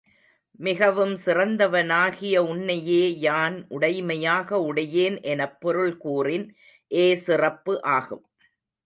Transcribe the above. மிகவும் சிறந்தவனாகிய உன்னையே யான் உடைமையாக உடையேன் எனப் பொருள் கூறின் ஏ சிறப்பு ஆகும்.